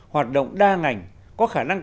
hoạt động đa ngành có khả năng